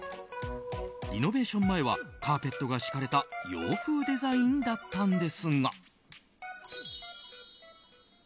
リノベーション前はカーペットが敷かれた洋風デザインだったんですが。